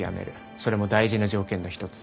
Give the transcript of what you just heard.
それも大事な条件の一つ。